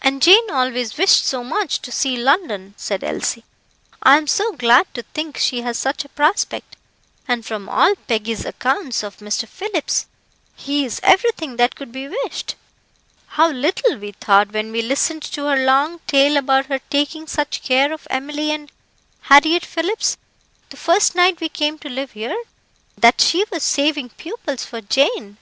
"And Jane always wished so much to see London," said Elsie. "I am so glad to think she has such a prospect, and from all Peggy's accounts of Mr. Phillips, he is everything that could be wished. How little we thought when we listened to her long tale about her taking such care of Emily and Harriett Phillips, the first night we came to live here, that she was saving pupils for Jane.